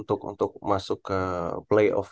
untuk masuk ke playoff